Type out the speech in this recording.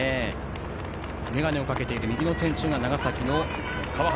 眼鏡をかけている右の選手が長崎の川原。